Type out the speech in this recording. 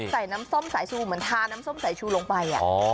ใส่น้ำส้มสายชูเหมือนทาน้ำส้มสายชูลงไป